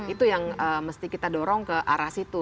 itu yang mesti kita dorong ke arah situ